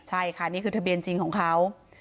ใช่ค่ะนี่คือทะเบียนจริงของเขา